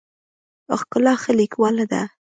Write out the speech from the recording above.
ښکلا ښه لیکواله ده.